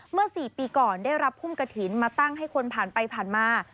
เมื่อ๔ปีก่อนได้รับพุ่มกระถิ่นมาตั้งให้คนผ่านไปผ่านมา